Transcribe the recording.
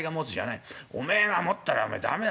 おめえが持ったらお前駄目だ。